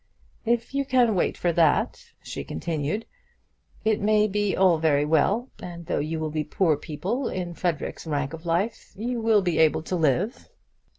"If you can wait for that," she continued, "it may be all very well, and though you will be poor people, in Frederic's rank of life, you will be able to live."